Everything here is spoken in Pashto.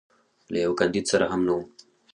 له یوه کاندید سره هم نه وم.